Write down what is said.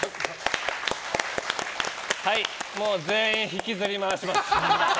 はい、もう全員引きずり回します。